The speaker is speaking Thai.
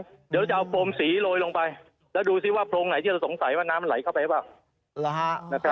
เดี๋ยวจะเอาโฟมสีโรยลงไปแล้วดูสิว่าโพรงไหนที่เราสงสัยว่าน้ำไหลเข้าไปบ้าง